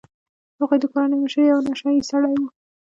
د هغوی د کورنۍ مشر یو نشه يي سړی و.